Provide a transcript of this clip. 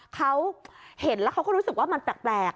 เขาเห็นแล้วเขาก็รู้สึกว่ามันแปลก